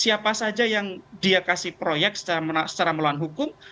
siapa saja yang dia kasih proyek secara melawan hukum